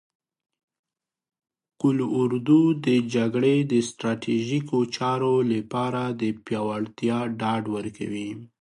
قول اردو د جګړې د ستراتیژیکو چارو لپاره د پیاوړتیا ډاډ ورکوي.